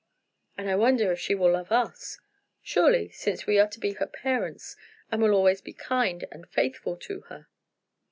"And I wonder if she will love us?" "Surely, since we are to be her parents, and will be always kind and faithful to her."